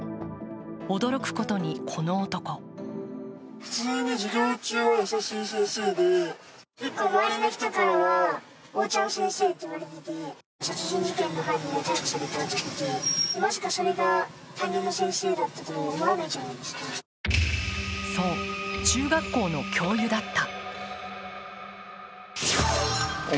驚くことにこの男そう、中学校の教諭だった。